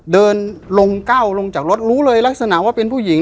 เดินลงก้าวลงจากรถรู้เลยลักษณะว่าเป็นผู้หญิง